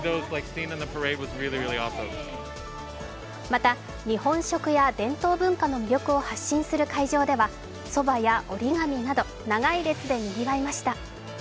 また日本食や伝統文化の魅力を発信する会場ではそばや折り紙など、長い列でにぎわいました。